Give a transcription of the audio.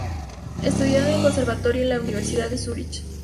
Estudió en el conservatorio y la universidad de Zúrich.